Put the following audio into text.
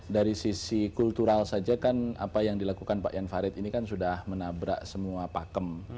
dari sisi kultural saja kan apa yang dilakukan pak jan farid ini kan sudah menabrak semua pakem